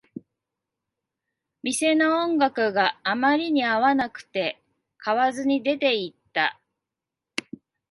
店の音楽があまりに合わなくて、買わずに出ていった